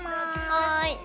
はい。